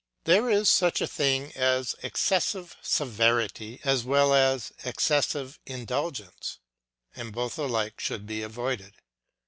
There is such a thing as excessive severity as well as excessive indulgence, and both alike should be avoided.